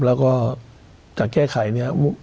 แล้วก็จะแก้ไขเนี่ย